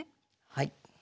はい。